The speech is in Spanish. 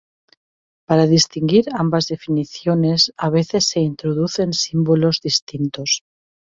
Para distinguir ambas definiciones a veces se introducen símbolos distintos.